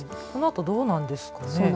このあと、どうなんですかね。